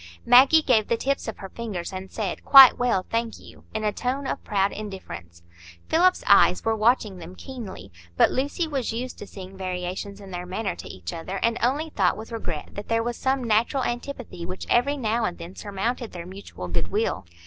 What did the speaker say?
Maggie gave the tips of her fingers, and said, "Quite well, thank you," in a tone of proud indifference. Philip's eyes were watching them keenly; but Lucy was used to seeing variations in their manner to each other, and only thought with regret that there was some natural antipathy which every now and then surmounted their mutual good will.